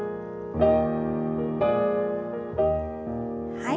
はい。